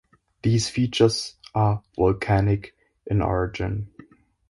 These features are volcanic in origin.